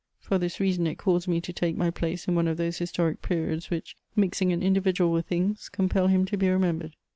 For this reason it caused me to take my place in one of those historic periods which, mixing an individual with things, compel him to be remembered.